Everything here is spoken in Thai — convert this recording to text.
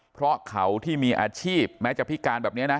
เพราะเขาที่มีอาชีพแม้จะพิการแบบนี้นะ